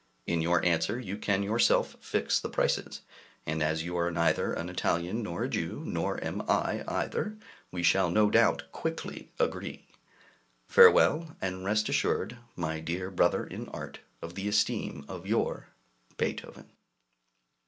In your answer you can yourself fix the prices; and as you are neither an Italian nor a Jew, nor am I either, we shall no doubt quickly agree. Farewell, and rest assured, My dear brother in art, of the esteem of your BEETHOVEN.